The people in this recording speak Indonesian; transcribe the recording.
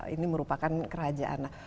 ini merupakan kerajaan